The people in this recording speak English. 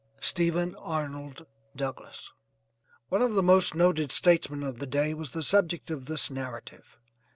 STEPHEN ARNOLD DOUGLASS. One of the most noted statesman of the day was the subject of this narrative.